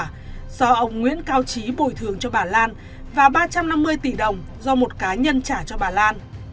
ngoại trưởng của tòa ông nguyễn cao chí bồi thường cho bà lan và ba trăm năm mươi tỷ đồng do một cá nhân trả cho bà lan